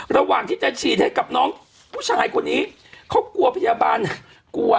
ระหว่างที่จะฉีดให้กับน้องผู้ชายคนนี้เขากลัวพยาบาลกลัว